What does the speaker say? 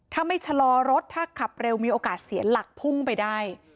ถ้าไม่ชะลอรถถ้าขับเร็วมีโอกาสเสียหลักพุ่งไปได้